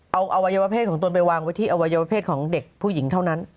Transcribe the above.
เอาอวัยวะเพศของตนไปวางไว้ที่อวัยวเพศของเด็กผู้หญิงเท่านั้น